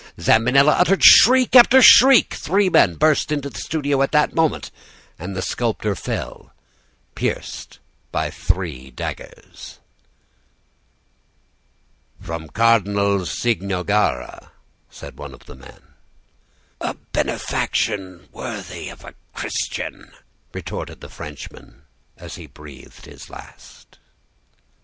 Zambinella uttered shriek after shriek. Three men burst into the studio at that moment, and the sculptor fell, pieced by three daggers. "'From Cardinal Cicognara,' said one of the men. "'A benefaction worthy of a Christian,' retorted the Frenchman, as he breathed his last.